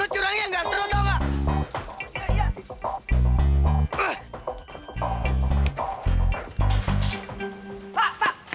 lo curangnya nggak seru tau nggak